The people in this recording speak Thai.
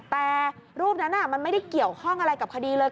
แต่รูปนั้นมันไม่ได้เกี่ยวข้องอะไรกับคดีเลย